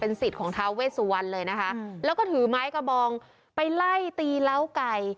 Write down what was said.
สิทธิ์ของท้าเวสุวรรณเลยนะคะแล้วก็ถือไม้กระบองไปไล่ตีเหล้าไก่